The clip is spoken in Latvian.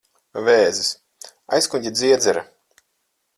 Vēzis. Aizkuņģa dziedzera.